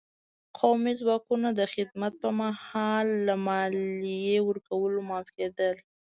قومي ځواکونه د خدمت په مهال له مالیې ورکولو معاف کېدل.